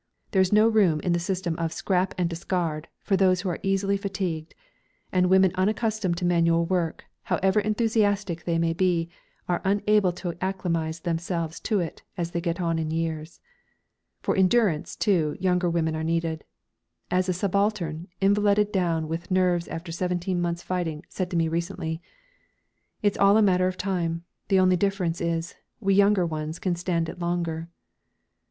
There is no room in the system of "scrap and discard" for those who are easily fatigued; and women unaccustomed to manual work, however enthusiastic they may be, are unable to acclimatise themselves to it as they get on in years. For endurance, too, younger women are needed. As a subaltern, invalided down with nerves after seventeen months' fighting, said to me recently: "It's all a matter of time the only difference is, we younger ones can stand it longer."